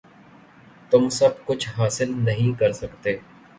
تم سب کچھ حاصل نہیں کر سکتے۔